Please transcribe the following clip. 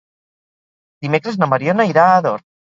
Dimecres na Mariona irà a Ador.